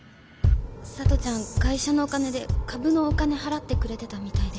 サトちゃん会社のお金で株のお金払ってくれてたみたいで。